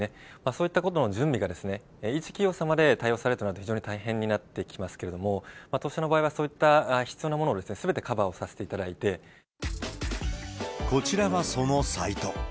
そういったことの準備が、一企業様で対応されるとなると非常に大変になってきますけれども、当社の場合は、そういった必要なものをすべてカバーさせていただこちらがそのサイト。